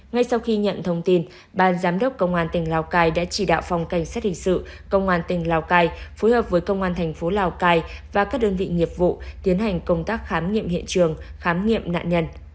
ngay sau khi nhận thông tin ban giám đốc công an tỉnh lào cai đã chỉ đạo phòng cảnh sát hình sự công an tỉnh lào cai phối hợp với công an thành phố lào cai và các đơn vị nghiệp vụ tiến hành công tác khám nghiệm hiện trường khám nghiệm nạn nhân